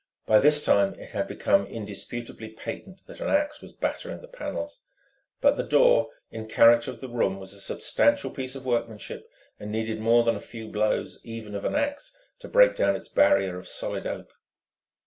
By this time it had become indisputably patent that an axe was battering the panels. But the door, in character with the room, was a substantial piece of workmanship and needed more than a few blows, even of an axe, to break down its barrier of solid oak.